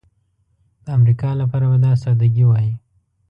د امریکا لپاره به دا سادګي وای.